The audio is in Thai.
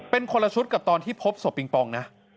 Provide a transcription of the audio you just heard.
เป็นคนละชุดกับตอนที่พบศพปิงปองนะ